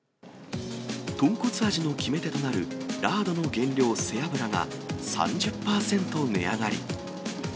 豚骨味の決め手となるラードの原料、背脂が３０％値上がり。